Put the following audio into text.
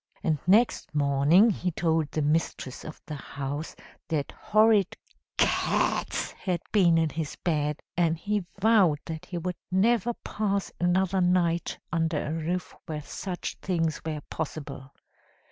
And next morning he told the Mistress of the house that horrid CATS had been in his bed, and he vowed that he would never pass another night under a roof where such things were possible.